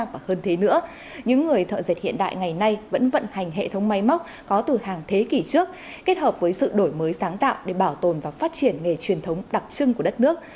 và hơn thế nữa những người thợ dệt hiện đại ngày nay vẫn vận hành hệ thống máy móc có từ hàng thế kỷ trước kết hợp với sự đổi mới sáng tạo để bảo tồn và phát triển nghề truyền thống đặc trưng của đất nước